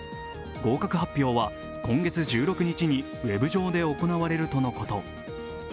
合格発表は今月１６日にウェブ上で行われるとのこと。